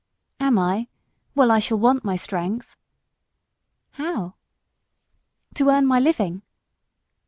"Am I? Well, I shall want my strength." "How?" "To earn my living."